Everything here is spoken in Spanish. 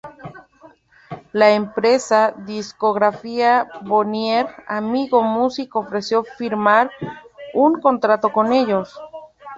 La empresa discográfica Bonnier Amigo Music ofreció firmar un contrato con ellos.